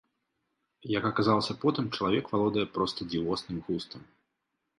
Як аказалася потым, чалавек валодае проста дзівосным густам.